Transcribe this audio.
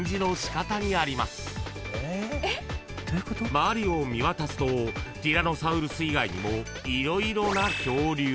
［周りを見渡すとティラノサウルス以外にも］